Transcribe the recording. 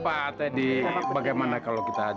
pak teddy bagaimana kalau kita